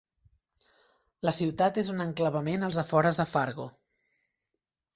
La ciutat és un enclavament als afores de Fargo.